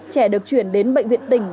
trẻ được chuyển đến bệnh viện tỉnh